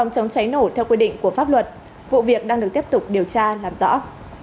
các lực lượng chức năng đang được tiếp tục điều tra làm rõ